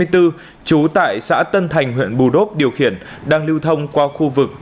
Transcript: trú tại xã tân thành huyện bù đốp điều khiển đang lưu thông qua khu vực